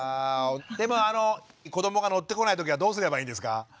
でも子どもが乗ってこない時はどうすればいいんですか？